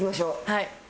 はい。